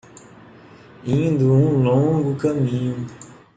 Indo um longo caminho